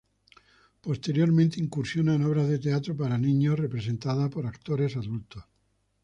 Posteriormente, incursiona en obras de teatro para niños representada por actores adultos.